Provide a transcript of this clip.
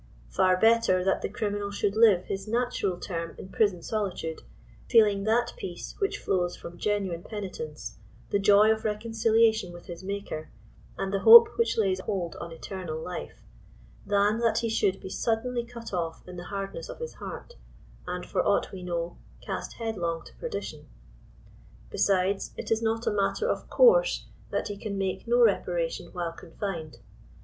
Far better that the criminal should live his natural term in prison solitude, feeling that peace which flows from genuine penitence, the joy of reconciliation with his Maker* and the hope which lays hold on eternal life, than that he should be suddenly cut off in the hardness of his heart, and, for aught we know, cast headlong to perdition. Besides, it is not a matter of course that he can make no repara tion while confined.